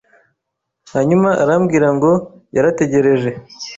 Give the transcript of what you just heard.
hanyuma arambwira ngo yarategereje